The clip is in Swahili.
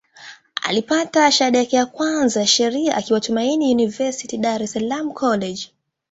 Alipata shahada ya kwanza ya Sheria akiwa Tumaini University, Dar es Salaam College.